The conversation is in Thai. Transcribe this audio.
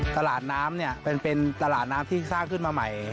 ตลาดน้ำเนี่ยเป็นตลาดน้ำที่สร้างขึ้นมาใหม่